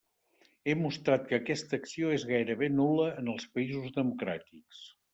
He mostrat que aquesta acció és gairebé nul·la en els països democràtics.